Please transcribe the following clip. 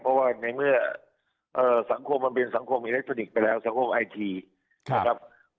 เพราะว่าในเมื่อสังคมมันเป็นสังคมอิเล็กทรอนิกส์ไปแล้วสังคมไอทีนะครับ